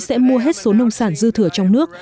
sẽ mua hết số nông sản dư thừa trong nước